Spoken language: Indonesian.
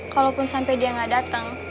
kalaupun sampe dia gak dateng